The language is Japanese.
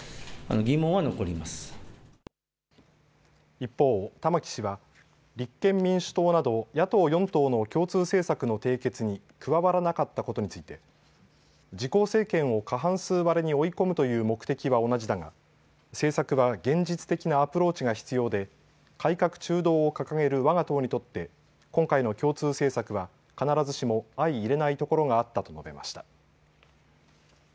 一方、玉木氏は立憲民主党など野党４党の共通政策の締結に加わらなかったことについて自公政権を過半数割れに追い込むという目的は同じだが政策は現実的なアプローチが必要で改革中道を掲げるわが党にとって今回の共通政策は必ずしも相いれないところがあったと述べました。